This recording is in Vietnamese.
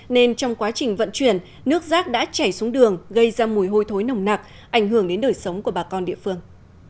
nên trong quá trình vận chuyển nước rác đã chảy xuống đường gây ra mùi hôi thối nồng nặc ảnh hưởng đến đời sống của bà con địa phương